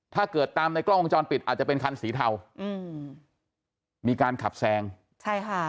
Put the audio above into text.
ถ้าเกิดตามในกล้องวงจรปิดอาจจะเป็นคันสีเทาอืมมีการขับแซงใช่ค่ะ